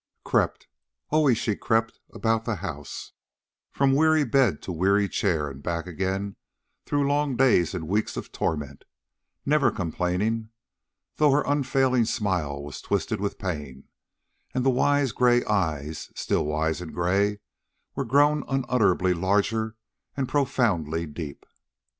Crept always she crept, about the house, from weary bed to weary chair and back again through long days and weeks of torment, never complaining, though her unfailing smile was twisted with pain, and the wise gray eyes, still wise and gray, were grown unutterably larger and profoundly deep.